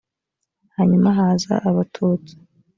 hanyuma haza abatutsi